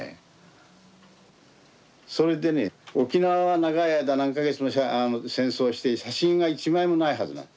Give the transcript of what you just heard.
それでね沖縄は長い間何か月も戦争して写真が一枚もないはずなんだ。